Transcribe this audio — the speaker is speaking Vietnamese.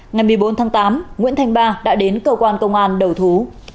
ngày một mươi bốn tháng tám nguyễn thanh ba đã đến cơ quan công an đầu thú